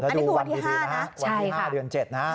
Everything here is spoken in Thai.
อันนี้คือวันที่๕เดือน๗นะคะ